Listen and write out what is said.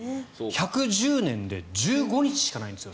１００年で１５日しかないんですよ